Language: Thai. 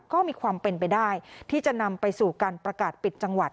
ก็มีความเป็นไปได้ที่จะนำไปสู่การประกาศปิดจังหวัด